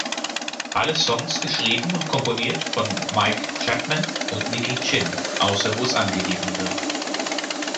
Alle Songs geschrieben und komponiert von Mike Chapman und Nicky Chinn außer wo es angeben wird.